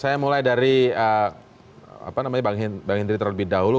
saya mulai dari bang hendri terlebih dahulu